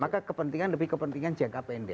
maka kepentingan lebih kepentingan jkpnd